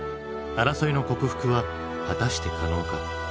争いの克服は果たして可能か。